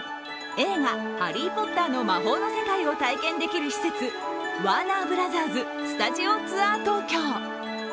映画「ハリー・ポッター」の魔法の世界を体験できる施設、ワーナーブラザーズスタジオツアー東京。